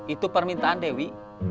itu permintaan dewi